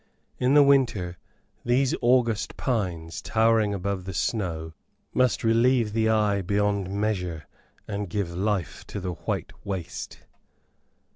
In the winter, these august pines, towering above the snow, must relieve the eye beyond measure and give life to the white waste.